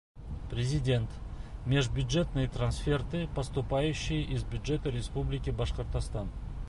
Президент Межбюджетные трансферты, поступающие из бюджета Республики Башкортостан